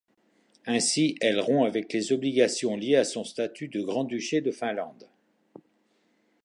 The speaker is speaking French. Ainsi elle rompt avec les obligations liées à son statut de Grand-duché de Finlande.